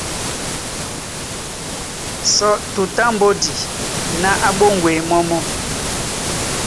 Só Tutú á mbódi ná á ɓóŋgweye mɔ́ mɔ́.